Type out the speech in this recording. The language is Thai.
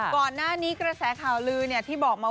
ก่อนหน้านี้กระแสข่าวลือที่บอกมา